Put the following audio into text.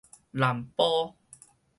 南埔